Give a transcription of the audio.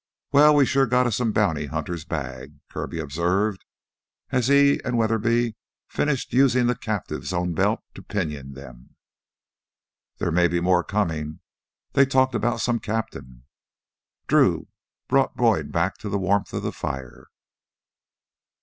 "Well, we sure got us some bounty hunter's bag," Kirby observed as he and Weatherby finished using the captives' own belts to pinion them. "There may be more comin'; they talked about some captain." Drew brought Boyd back to the warmth of the fire.